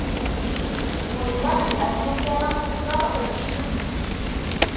Welleh, a lukan ad ṭṭseɣ deg iciwi-s.